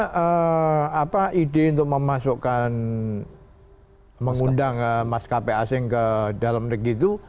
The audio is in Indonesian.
karena ide untuk memasukkan mengundang maskapai asing ke dalam negeri itu